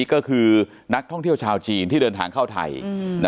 ก็คือนักท่องเที่ยวชาวจีนที่เดินทางเข้าไทย